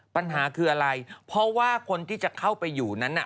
ปัญหาคืออะไรเพราะว่าคนที่จะเข้าไปอยู่นั้นน่ะ